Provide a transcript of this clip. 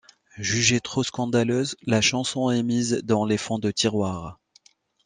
Jugée trop scandaleuse, la chanson est mise dans les fonds de tiroirs.